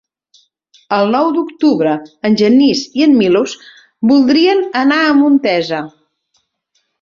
El nou d'octubre en Genís i en Milos voldrien anar a Montesa.